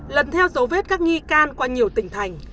lần theo dấu vết các nghi can qua nhiều tỉnh thành